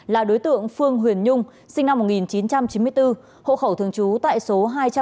là đối tượng phương huyền nhung sinh năm một nghìn chín trăm chín mươi bốn hộ khẩu thường trú tại số hai trăm bảy mươi